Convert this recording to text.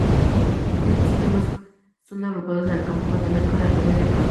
Estos temas son agrupados en el campo matemático de la teoría del caos.